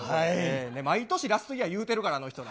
毎年ラストイヤー言うてるから、あの人は。